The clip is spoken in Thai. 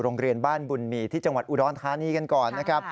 โรงเรียนบ้านบุญมีที่จังหวัดอุดรธานีกันก่อนนะครับ